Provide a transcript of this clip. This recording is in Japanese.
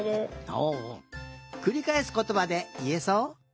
ほおくりかえすことばでいえそう？